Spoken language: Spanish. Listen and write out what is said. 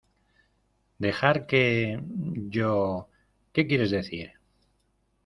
¿ Dejar qué? Yo... ¿ qué quieres decir ?